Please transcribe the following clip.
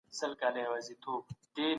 بې حیایی مه کوئ.